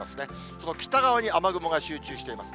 その北側に雨雲が集中しています。